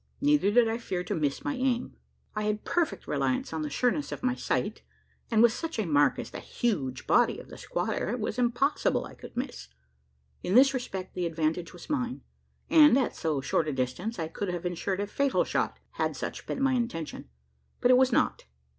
Neither did I fear to miss my aim. I had perfect reliance on the sureness of my sight; and, with such a mark as the huge body of the squatter, it was impossible I could miss. In this respect, the advantage was mine; and, at so short a distance, I could have insured a fatal shot had such been my intention. But it was not.